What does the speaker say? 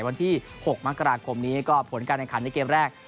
วันที่๖มกราคมนี้ก็ผลการแข่งขันในเกมแรก